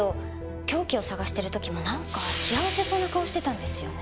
凶器を探してる時もなんか幸せそうな顔してたんですよね。